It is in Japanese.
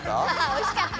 おいしかった？